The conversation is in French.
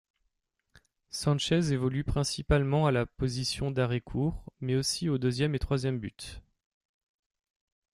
Sánchez évolue principalement à la positions d'arrêt-court, mais aussi aux deuxième et troisième but.